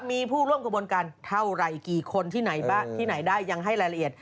มีผู้ร่วมกระบวนการเท่าไหร่กี่คนที่ไหนได้ยังให้รายละเอียด